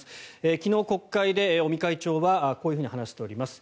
昨日、国会で尾身会長はこういうふうに話しております。